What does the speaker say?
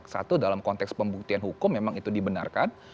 satu dalam konteks pembuktian hukum memang itu dibenarkan